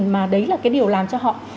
mà đấy là cái điều làm cho họ